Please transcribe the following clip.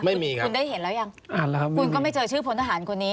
ไม่มีครับคุณได้เห็นแล้วยังอ่านแล้วครับคุณก็ไม่เจอชื่อพลทหารคนนี้